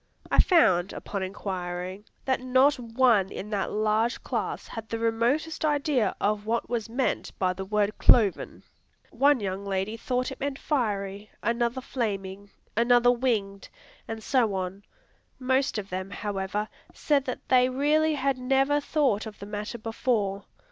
I found, upon inquiring, that not one in that large class had the remotest idea of what was meant by the word "cloven." One young lady thought it meant "fiery," another "flaming," another "winged," and so on. Most of them, however, said that they really had never thought of the matter before.